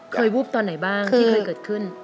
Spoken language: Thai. วูบตอนไหนบ้างที่เคยเกิดขึ้น